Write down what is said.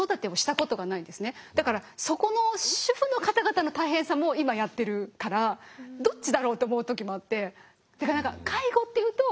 だからそこの主婦の方々の大変さも今やってるからどっちだろうって思う時もあって。